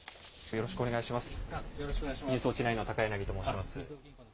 よろしくお願いします。